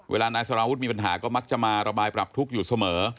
เวลานายสารวุฒิมีปัญหาก็มักจะมาระบายปรับทุกข์อยู่เสมอ